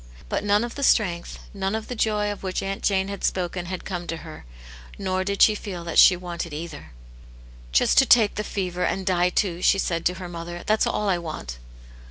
But none of the strength, none of the joy of which Aunt Jane had spoken had come to her, ' nor did she feel that she wanted cither. "Just to take the fever, and die too!" she said to her mother. " That's all I want."